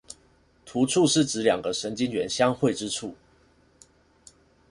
突觸是指兩個神經元相會之處